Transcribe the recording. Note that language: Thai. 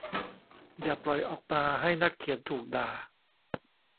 อย่าปล่อยออกมาให้นักเขียนถูกด่า